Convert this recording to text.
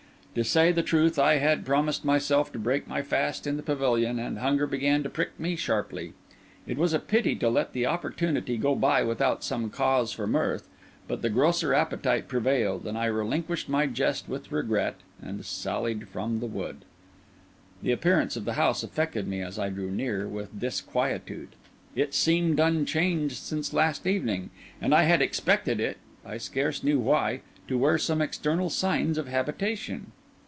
To say the truth, I had promised myself to break my fast in the pavilion, and hunger began to prick me sharply. It was a pity to let the opportunity go by without some cause for mirth; but the grosser appetite prevailed, and I relinquished my jest with regret, and sallied from the wood. The appearance of the house affected me, as I drew near, with disquietude. It seemed unchanged since last evening; and I had expected it, I scarce knew why, to wear some external signs of habitation.